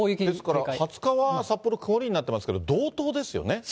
ですから２０日は札幌、曇りになってますけど、道東ですよね。